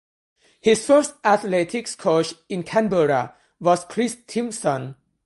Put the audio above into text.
His first athletics coach in Canberra was Chris Timpson.